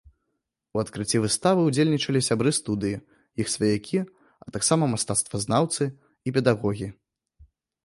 У адкрыцці выставы ўдзельнічалі сябры студыі, іх сваякі, а таксама мастацтвазнаўцы і педагогі.